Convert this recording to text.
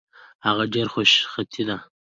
هغه ډېرې خوشخطه دي